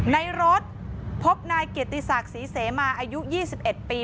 ในรถพบนายเกียรติศักดิ์ศรีเสมาอายุ๒๑ปี